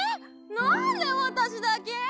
なんでわたしだけ？